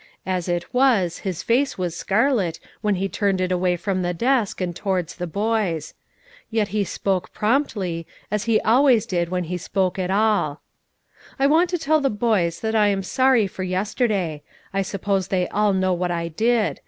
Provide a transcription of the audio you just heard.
As it was, his face was scarlet, when he turned it away from the desk and towards the boys. Yet he spoke promptly, as he always did when he spoke at all: "I want to tell the boys that I am sorry for yesterday. I suppose they all know what I did.